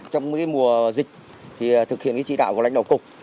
trong mùa dịch thì thực hiện chỉ đạo của lãnh đạo cục